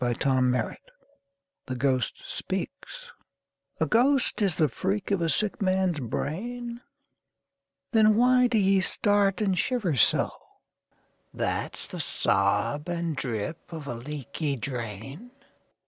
Don Marquis Haunted (The Ghost Speaks) A GHOST is the freak of a sick man's brain? Then why do ye start and shiver so? That's the sob and drip of a leaky drain?